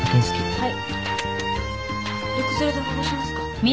はい。